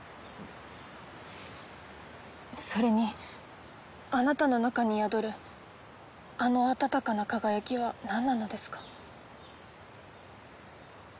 それにあなたの中に宿るあの温かな輝きはなんなのですか？